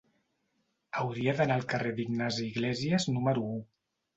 Hauria d'anar al carrer d'Ignasi Iglésias número u.